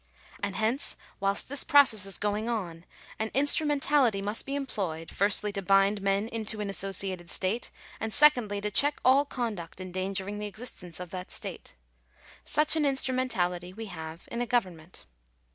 And hence, whilst this process is going on, an instrumentality must be employed, firstly to bind men into an associated state, and secondly to check all conduct endangering the existence of that state. Such an instrumentality we have in a government.